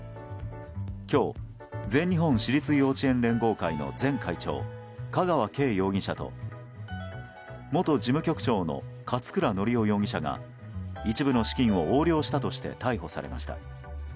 今日、全日本私立幼稚園連合会の前会長、香川敬容疑者と元事務局長の勝倉教雄容疑者が一部の資金を横領したとして逮捕されました。